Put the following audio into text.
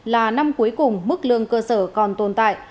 là năm cuối cùng mức lương cơ sở còn tồn tại